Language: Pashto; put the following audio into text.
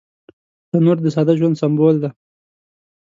تنور د ساده ژوند سمبول دی